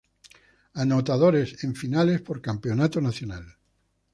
Anotadores en finales por Campeonato Nacional.